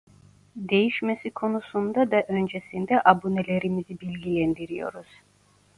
Değişmesi konusunda da öncesinde abonelerimizi bilgilendiriyoruz.